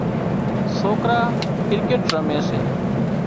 سوڪرا ڪرڪيٽ رمي سي